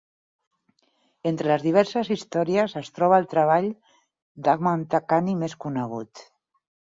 Entre les diverses històries es troba el treball d'Ahmad Khani més conegut.